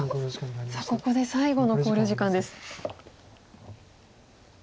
さあここで最後の考慮時間です。